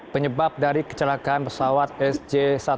penyebab dari kecelakaan pesawat sj satu ratus delapan puluh